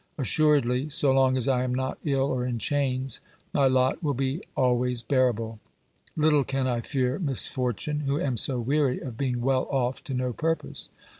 Assuredly, so long as I am not ill or in chains, my lot will be always bear able. Little can I fear misfortune, who am so weary of being well off to no purpose.